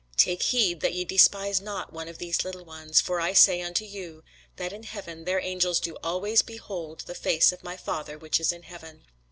Take heed that ye despise not one of these little ones; for I say unto you, That in heaven their angels do always behold the face of my Father which is in heaven.